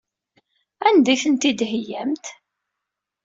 Anda ay tent-id-theyyamt?